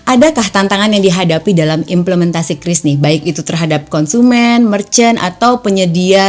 adakah tantangan yang dihadapi dalam implementasi kris nih baik itu terhadap konsumen merchant atau penyedia